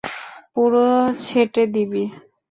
পুরো ছেঁটে দিবি।